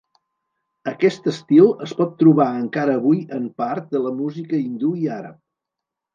Aquest estil es pot trobar encara avui en part de la música hindú i àrab.